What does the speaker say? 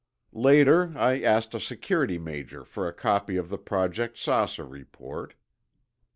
Later, I asked a security major for a copy of the Project "Saucer" report.